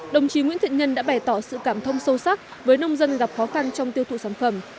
đồng chí nguyễn thiện nhân đã bày tỏ sự cảm thông sâu sắc với nông dân gặp khó khăn trong tiêu thụ sản phẩm